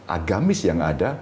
agamis yang ada